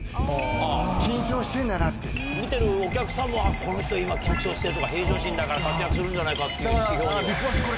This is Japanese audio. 見てるお客さんも「この人今緊張してる」とか「平常心だから活躍するんじゃないか」という指標には。